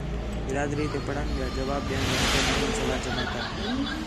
برادری تے پڑھݨ ٻِیا جواب ݙیݨ واسطے نویں سوال جمع کر